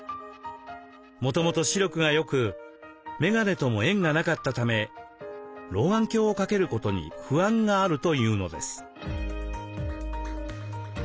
もともと視力が良く眼鏡とも縁がなかったため老眼鏡を掛けることに不安があるというのです。